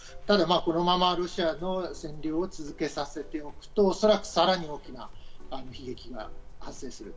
このままロシアの占領を続けさせておくと、おそらくさらに大きな悲劇が発生する。